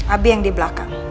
abi yang di belakang